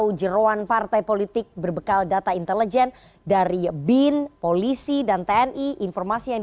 adian apitupulu selamat malam bang adian